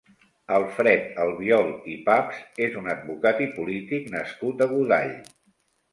Alfred Albiol i Paps és un advocat i polític nascut a Godall.